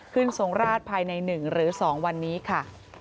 ขึ้นทรงราชภายในหนึ่งหรือสองวันนี้ค่ะ